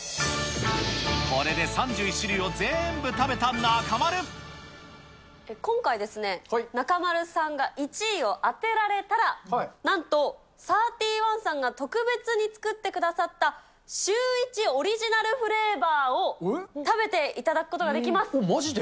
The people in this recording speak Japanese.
これで３１種類を全部食べた今回ですね、中丸さんが１位を当てられたら、なんとサーティワンさんが特別に作ってくださったシューイチオリジナルフレーバーを、食べていただくことができます。まじで？